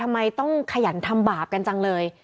ทำไมต้องขยันทำบาปกันจังเลย